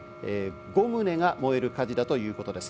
５棟が燃える火事だということです。